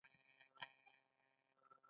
د هوا کیفیت د روغتیا لپاره مهم دی.